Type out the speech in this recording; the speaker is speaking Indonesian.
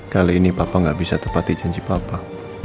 kali ini papa nggak bisa tepati janji papa